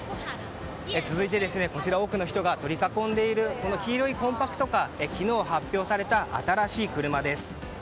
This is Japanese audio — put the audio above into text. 続いて、こちら多くの人が取り囲んでいるこの黄色いコンパクトカー昨日発表された新しい車です。